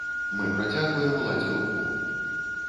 Мы працягваем уладзе руку.